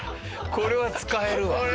これは使えるわ。